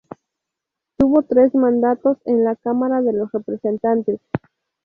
Estuvo tres mandatos en la Cámara de los Representantes.